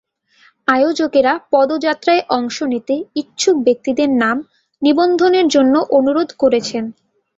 আয়োজকেরা পদযাত্রায় অংশ নিতে ইচ্ছুক ব্যক্তিদের নাম নিবন্ধনের জন্য অনুরোধ করেছেন।